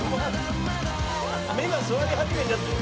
目が据わり始めちゃってる。